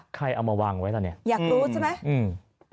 เอามาวางไว้ล่ะเนี่ยอยากรู้ใช่ไหมอืม